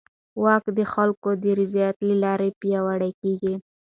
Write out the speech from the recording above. واک د خلکو د رضایت له لارې پیاوړی کېږي.